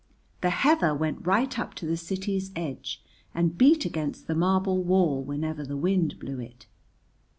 The heather went right up to the city's edge and beat against the marble wall whenever the wind blew it.